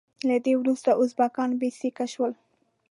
له ده وروسته ازبکان بې سیکه شول.